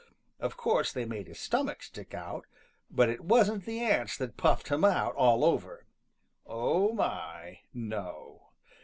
Of course they made his stomach stick out, but it wasn't the ants that puffed him out all over. Oh, my, no!